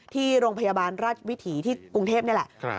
ที่โรงพยาบาลราชวิถีที่กรุงเทพนี่แหละ